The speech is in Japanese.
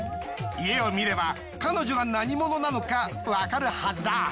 家を見れば彼女が何者なのかわかるはずだ。